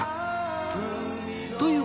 という